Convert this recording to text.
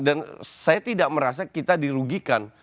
dan saya tidak merasa kita dirugikan